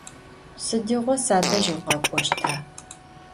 Sıdiğo sadej vukhek'oşta?